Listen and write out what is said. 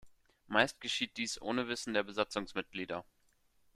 Meist geschieht dies ohne Wissen der Besatzungsmitglieder.